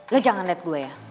lo jangan lihat gue ya